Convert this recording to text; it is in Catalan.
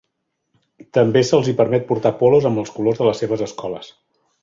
També se'ls hi permet portar polos amb els colors de les seves escoles.